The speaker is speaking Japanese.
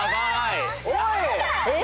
おい！